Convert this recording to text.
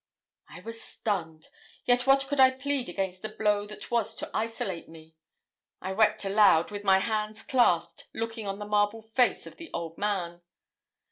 I was stunned; yet what could I plead against the blow that was to isolate me? I wept aloud, with my hands clasped, looking on the marble face of the old man.